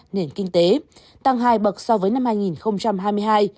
nền kinh tế tăng hai bậc so với năm hai nghìn hai mươi hai